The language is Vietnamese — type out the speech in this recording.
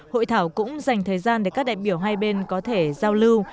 hội thảo cũng dành thời gian để các đại biểu hai bên có thể giao lưu